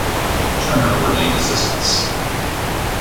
Turner were named assistants.